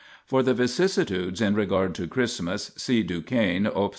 For the vicissitudes in regard to Christmas see Duchesne, op.